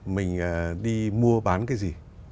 mình đi mua bán cái gì